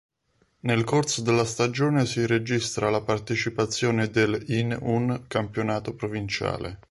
Nel corso della stagione si registra la partecipazione del in un Campionato Provinciale.